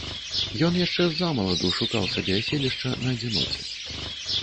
Ён яшчэ ззамаладу шукаў сабе аселішча на адзіноце.